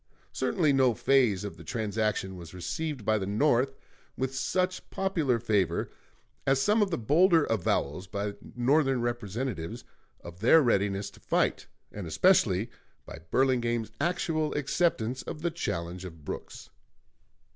Certainly no phase of the transaction was received by the North with such popular favor as some of the bolder avowals by Northern Representatives of their readiness to fight, and especially by Burlingame's actual acceptance of the challenge of Brooks.